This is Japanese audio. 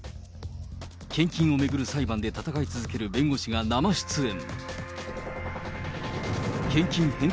献金を巡る裁判で戦い続ける弁護士が生出演。